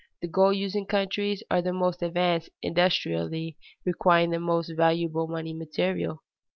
The gold using countries are the most advanced industrially, requiring the most valuable money metal.